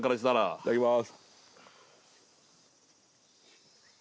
いただきます。